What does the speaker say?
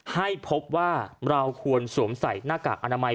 ให้พบว่าเราควรสวมใส่หน้ากากอนามัย